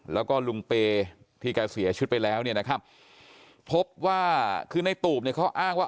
แล้วก็ลุงเปย์ที่แกเสียชีวิตไปแล้วเนี่ยนะครับพบว่าคือในตูบเนี่ยเขาอ้างว่า